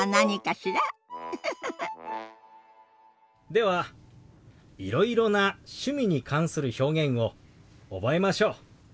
ではいろいろな趣味に関する表現を覚えましょう。